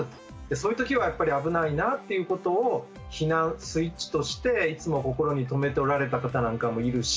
そういう時はやっぱり危ないなっていうことを避難スイッチとしていつも心に留めておられた方なんかもいるし。